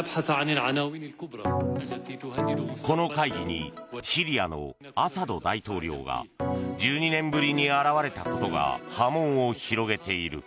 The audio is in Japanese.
この会議にシリアのアサド大統領が１２年ぶりに現れたことが波紋を広げている。